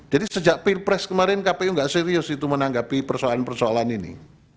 jadi sejak pilpres kemarin kpu nggak serius itu menanggapi persoalan persoalan ini